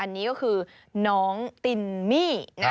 นี่ก็คือน้องติ้นมี่